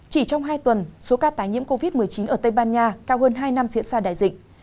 chỉ trong hai tuần số ca tái nhiễm covid một mươi chín ở tây ban nha cao hơn hai năm diễn ra đại dịch